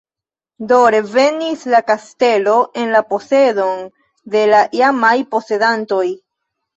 Do revenis la kastelo en la posedon de la iamaj posedantoj.